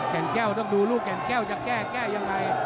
แก่นแก้วต้องดูลูกแก่นแก้วจะแก้แก้ยังไง